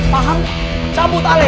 paham cabut ale